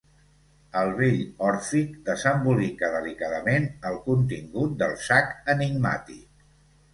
El vell òrfic desembolica delicadament el contingut del sac enigmàtic.